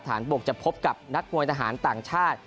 บกจะพบกับนักมวยทหารต่างชาติ